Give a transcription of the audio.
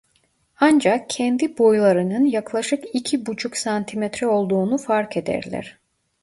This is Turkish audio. Ancak kendi boylarının yaklaşık iki buçuk santimetre olduğunu fark ederler.